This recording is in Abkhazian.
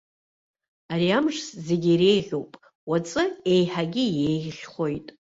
Ари амш зегьы иреиӷьуп, уаҵәы еиҳагьы еиӷьхоит.